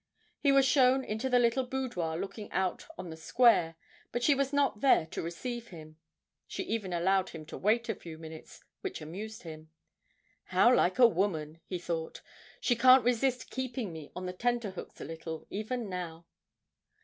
He was shown into the little boudoir looking out on the square, but she was not there to receive him she even allowed him to wait a few minutes, which amused him. 'How like a woman!' he thought. 'She can't resist keeping me on the tenterhooks a little, even now.'